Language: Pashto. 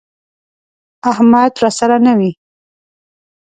احمد راسره نه وي،